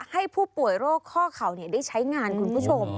ให้ผู้ป่วยโรคข้อเข่าได้ใช้งานคุณผู้ชม